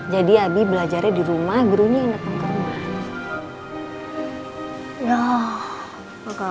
jadi abi belajarnya di rumah gurunya yang dateng ke rumah